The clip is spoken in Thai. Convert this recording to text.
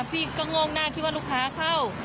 พี่ก็โงกหน้าคิดว่าลูกค้าเข้า